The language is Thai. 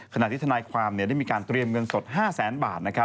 ขณะที่ทนายความได้มีการเตรียมเงินสด๕แสนบาท